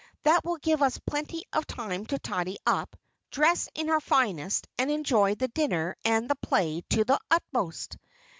That will give us plenty of time to tidy up, dress in our finest, and enjoy the dinner and the play to the utmost."